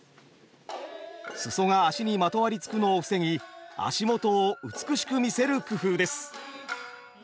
裾が足にまとわりつくのを防ぎ足元を美しく見せる工夫です。